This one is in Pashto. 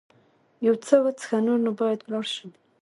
یو څه وڅښه، نور نو باید ولاړ شم.